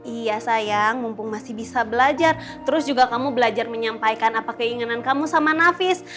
iya sayang mumpung masih bisa belajar terus juga kamu belajar menyampaikan apa keinginan kamu sama nafis